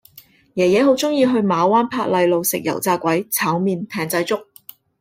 爺爺好鍾意去馬灣珀麗路食油炸鬼炒麵艇仔粥